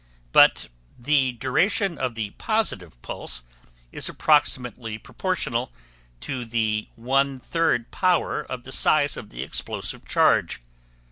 But the duration of the positive pulse is approximately proportional to the 1/3 power of the size of the explosive charge.